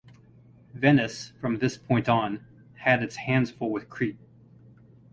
Venice, from this point on, had its hands full with Crete.